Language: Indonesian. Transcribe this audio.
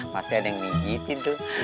pasti ada yang nigipin tuh